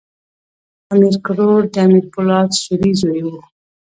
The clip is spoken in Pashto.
امیر کروړ د امیر پولاد سوري زوی وو.